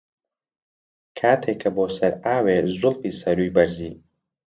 کاتێ کە بۆ سەر ئاوێ، زولفی لە سەرووی بەرزی